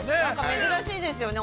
◆珍しいですね。